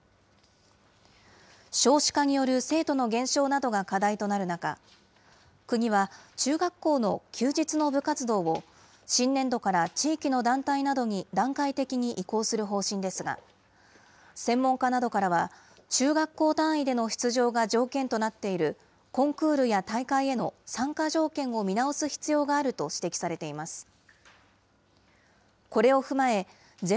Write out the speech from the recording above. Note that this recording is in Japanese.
少子化による生徒の減少などが課題となる中、国は、中学校の休日の部活動を、新年度から地域の団体などに段階的に移行する方針ですが、専門家などからは、中学校単位での出場が条件となっている、コンクールや大会への参加条件を見直す必要があると指摘されています。